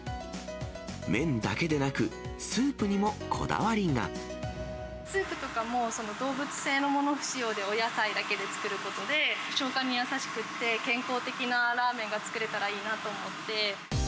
麺だけでなく、スープとかも、動物性のもの不使用で、お野菜だけで作ることで、消化に優しくて健康的なラーメンが作れたらいいなと思って。